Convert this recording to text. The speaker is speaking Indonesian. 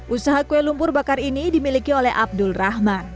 usaha kue lumpur bakar ini dimiliki oleh abdul rahman